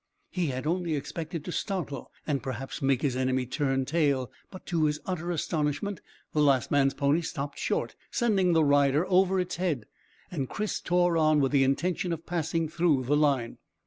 He had only expected to startle and perhaps make his enemy turn tail, but to his utter astonishment the last man's pony stopped short, sending the rider over its head, and Chris tore on, with the intention of passing through the line.